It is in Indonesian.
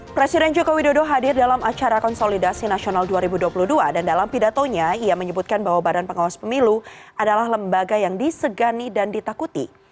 presiden joko widodo hadir dalam acara konsolidasi nasional dua ribu dua puluh dua dan dalam pidatonya ia menyebutkan bahwa badan pengawas pemilu adalah lembaga yang disegani dan ditakuti